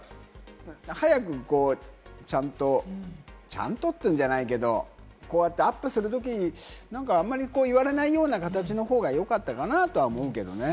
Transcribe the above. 早くちゃんと、ちゃんとというんじゃないけれども、アップするときに言われないような形の方が良かったかなとは思うけれどもね。